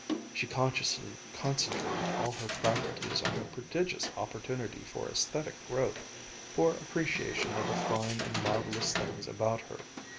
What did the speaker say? She consciously concentrated all her faculties on her prodigious opportunity for aesthetic growth, for appreciation of the fine and marvelous things about her.